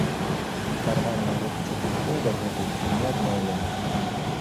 Нармальны рух цягнікоў дагэтуль не адноўлены.